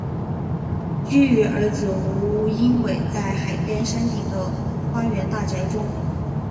居于儿子吴英伟在海边山顶的花园大宅中。